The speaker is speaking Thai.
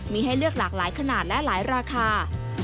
มีให้เลือกหลากหลายขนาดและหลายราคา